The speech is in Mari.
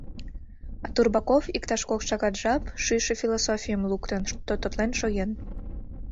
А Турбаков иктаж кок шагат жап, шӱйшӧ философийым луктын, тототлен шоген.